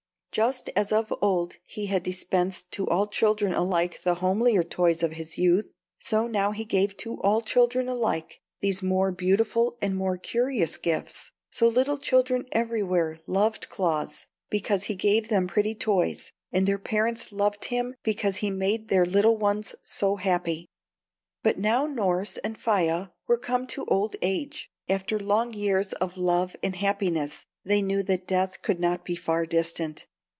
Just as of old he had dispensed to all children alike the homelier toys of his youth, so now he gave to all children alike these more beautiful and more curious gifts. So little children everywhere loved Claus, because he gave them pretty toys, and their parents loved him because he made their little ones so happy. But now Norss and Faia were come to old age. After long years of love and happiness, they knew that death could not be far distant.